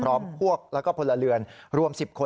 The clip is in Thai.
พร้อมพวกแล้วก็พลเรือนรวม๑๐คน